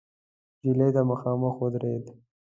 نجلۍ ته مخامخ ودرېد.